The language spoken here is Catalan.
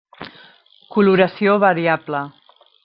Coloració variable.